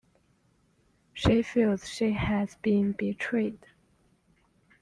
She feels she has been betrayed.